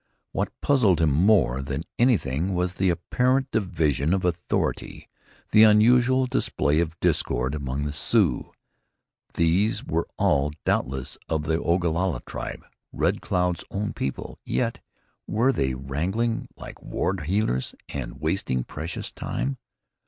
What puzzled him more than anything was the apparent division of authority, the unusual display of discord among the Sioux. These were all, doubtless, of the Ogalalla tribe, Red Cloud's own people, yet here were they wrangling like ward "heelers" and wasting precious time.